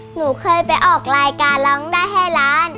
หนูเคยไปออกรายการร้องได้ให้ล้าน